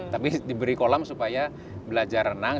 tapi diberi kolam supaya belajar renang